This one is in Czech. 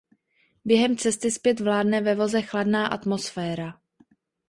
Během cesty zpět vládne ve voze chladná atmosféra.